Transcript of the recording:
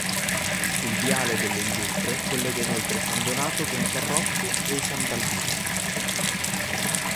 Il viale delle industrie collega inoltre San Donato con San Rocco e Sant'Albino.